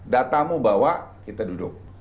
datamu bawa kita duduk